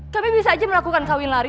kami bisa aja melakukan kawin lari